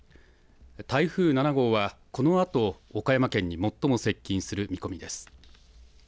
台風７号は、このあと岡山県に最も接近する見込みです。